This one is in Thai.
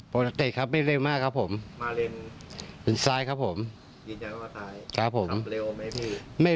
โปรดติดครับไม่เร็วมากครับผมมาเล่นซ้ายครับผมครับผมไม่